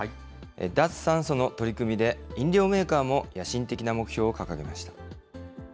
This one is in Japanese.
脱炭素の取り組みで、飲料メーカーも野心的な目標を掲げました。